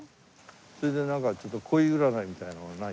それでなんか恋占いみたいなのはない？